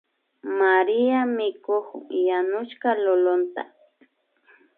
María mikukun yanushka lulunta